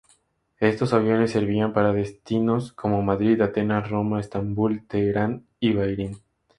Estos aviones servían para destinos como Madrid, Atenas, Roma, Estambul, Teherán y Bahrein.